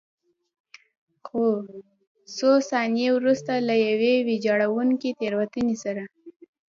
څو ثانیې وروسته له یوې ویجاړوونکې تېروتنې سره.